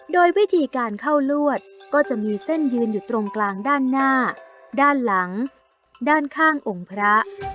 โดยวิธีการเข้าลวดก็จะมีเส้นยืนอยู่ตรงกลางด้านหน้าด้านหลังด้านข้างองค์พระ